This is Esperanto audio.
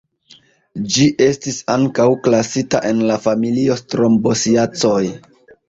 Ĝi estis ankaŭ klasita en la familio Strombosiacoj.